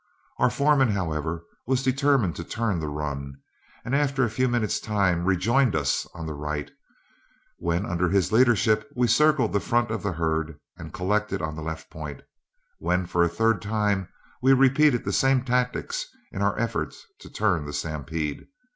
Our foreman, however, was determined to turn the run, and after a few minutes' time rejoined us on the right, when under his leadership we circled the front of the herd and collected on the left point, when, for a third time, we repeated the same tactics in our efforts to turn the stampede.